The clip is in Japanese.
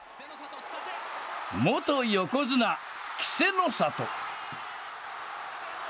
元横綱・稀勢の里。